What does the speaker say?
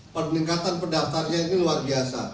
peningkatan pendaftarnya ini luar biasa